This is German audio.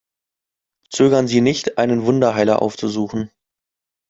Zögern Sie nicht, einen Wunderheiler aufzusuchen!